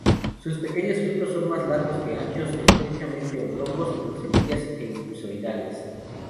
Sus pequeños frutos son más largos que anchos, estrechamente oblongos, con semillas elipsoidales.